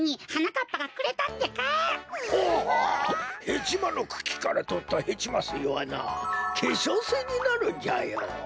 ヘチマのくきからとったヘチマすいはなけしょうすいになるんじゃよ。